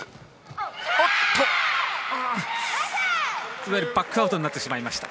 いわゆるバックアウトになってしまいました。